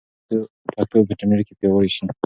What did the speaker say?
پښتو به په انټرنیټ کې پیاوړې شي.